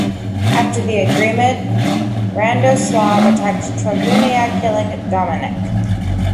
After the agreement, Radoslav attacked Travunia, killing Domanek.